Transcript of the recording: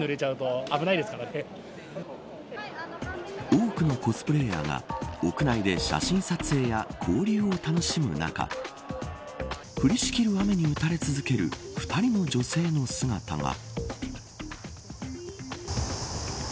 多くのコスプレーヤーが屋内で写真撮影や交流を楽しむ中降りしきる雨に打たれ続ける２人の女性の姿が。